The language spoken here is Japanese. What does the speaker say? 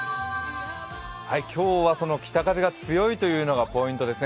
今日は北風が強いというのがポイントですね。